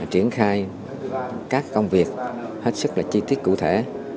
triển khai các công việc hết sức là chi tiết cụ thể